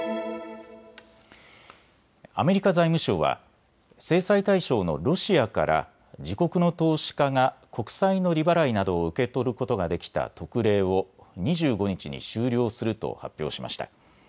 アメリカ財務省は制裁対象のロシアから自国の投資家が国債の利払いなどを受け取ることができた特例を２５日に終了すると発表しました。